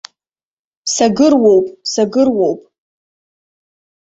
Сагыруоуп, сагыруоуп!